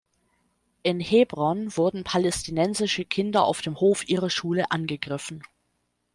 In Hebron wurden palästinensische Kinder auf dem Hof ihrer Schule angegriffen.